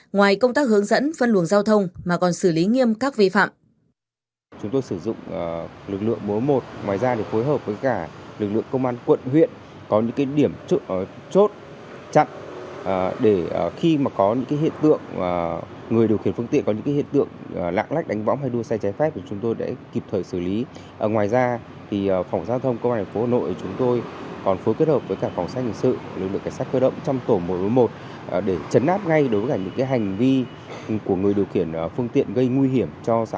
ngoài công tác hướng dẫn phân luồng giao thông mà còn xử lý nghiêm các vi phạm